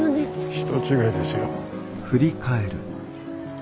人違いですよ。